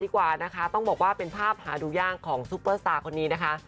กว่านะคะต้องบอกว่าเป็นภาพหาดูยากของซุปเปอร์สตาร์คนนี้นะคะ